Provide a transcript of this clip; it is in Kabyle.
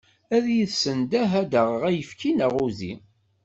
Ad iyi-tessendeh ad d-aɣeɣ ayefki neɣ udi.